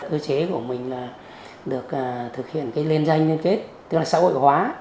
ước chế của mình là được thực hiện lên danh liên kết tức là xã hội hóa